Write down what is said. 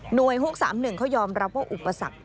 ๖๓๑เขายอมรับว่าอุปสรรค